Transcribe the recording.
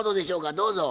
どうぞ。